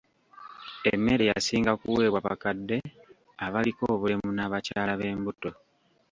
Emmere yasinga kuweebwa bakadde, abaliko obulemu n'abakyala b'embuto.